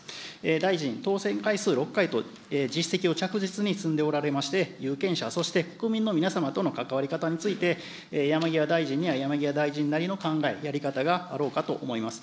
大臣、当選回数６回と、実績を着実に積んでおられまして、有権者、そして国民の皆様との関わり方について、山際大臣には山際大臣なりの考え、やり方があろうかと思います。